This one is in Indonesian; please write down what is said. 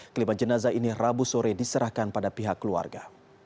kelima jenazah ini rabu sore diserahkan pada pihak keluarga